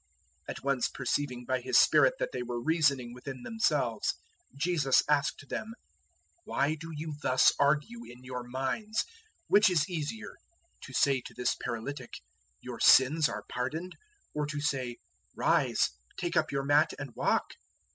002:008 At once perceiving by His spirit that they were reasoning within themselves, Jesus asked them, "Why do you thus argue in your minds? 002:009 Which is easier? to say to this paralytic, 'Your sins are pardoned,' or to say, 'Rise, take up your mat, and walk?'